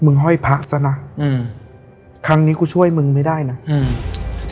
เมืองห้อยพาสนะอืมครั้งนี้กูช่วยมึงไม่ได้นะอืม